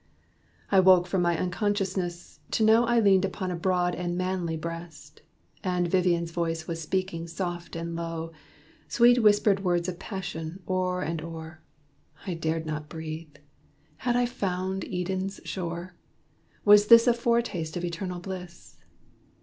I woke from my unconsciousness, to know I leaned upon a broad and manly breast, And Vivian's voice was speaking, soft and low, Sweet whispered words of passion, o'er and o'er. I dared not breathe. Had I found Eden's shore? Was this a foretaste of eternal bliss?